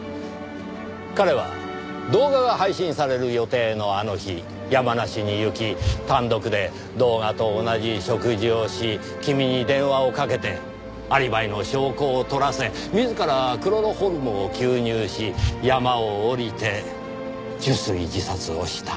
彼は動画が配信される予定のあの日山梨に行き単独で動画と同じ食事をし君に電話をかけてアリバイの証拠を撮らせ自らクロロホルムを吸入し山を下りて入水自殺をした。